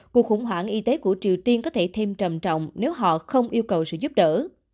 cuộc khủng hoảng y tế của triều tiên có thể thêm trầm trọng nếu họ không yêu cầu sự giúp đỡ